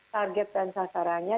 target dan sasarannya